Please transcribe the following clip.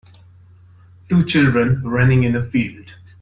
Two children running in a field.